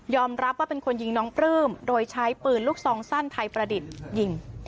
รับว่าเป็นคนยิงน้องปลื้มโดยใช้ปืนลูกซองสั้นไทยประดิษฐ์ยิง